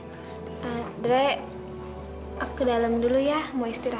andre aku ke dalam dulu ya mau istirahat